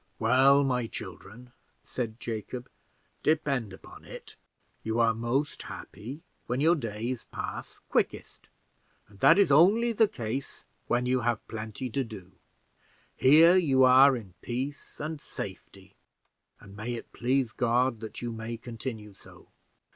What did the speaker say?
"Well, my children," said Jacob, "depend upon it, you are most happy when your days pass quickest, and that is only the case when you have plenty to do. Here you are in peace and safety; and may it please God that you may continue so!